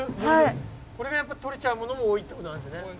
これがやっぱとれちゃうものも多いってことなんですね？